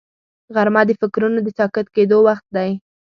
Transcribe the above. غرمه د فکرونو د ساکت کېدو وخت دی